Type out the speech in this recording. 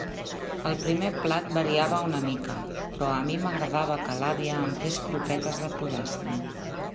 El primer plat variava una mica, però a mi m'agradava que l'àvia em fes croquetes de pollastre.